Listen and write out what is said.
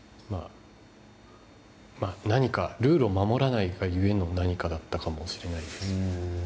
ルールを守らないがゆえの何かだったかもしれないです。